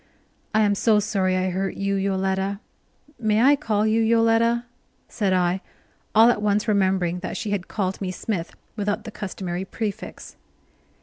"I am so sorry I hurt you, Yoletta may I call you Yoletta?" said I, all at once remembering that she had called me Smith, without the customary prefix.